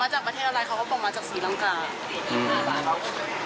ถามมาจากประเทศอะไรเขาก็บอกว่ามาจากสีล้ำกา